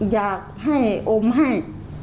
อยากให้อมให้